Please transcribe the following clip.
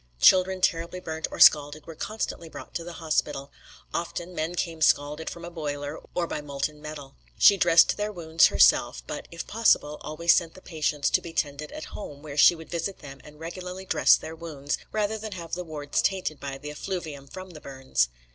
Children terribly burnt or scalded were constantly brought to the hospital; often men came scalded from a boiler, or by molten metal. She dressed their wounds herself, but, if possible, always sent the patients to be tended at home, where she would visit them and regularly dress their wounds, rather than have the wards tainted by the effluvium from the burns.